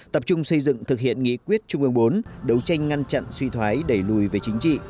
tập trung xây dựng thực hiện nghị quyết trung ương bốn đấu tranh ngăn chặn suy thoái đẩy lùi về chính trị